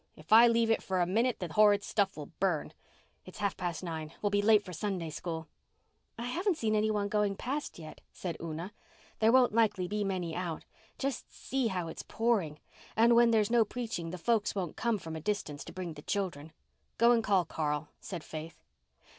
If I leave it for a minute the horrid stuff will burn. It's half past nine. We'll be late for Sunday School." "I haven't seen anyone going past yet," said Una. "There won't likely be many out. Just see how it's pouring. And when there's no preaching the folks won't come from a distance to bring the children." "Go and call Carl," said Faith.